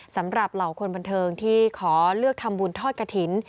เหล่าคนบันเทิงที่ขอเลือกทำบุญทอดกระถิ่น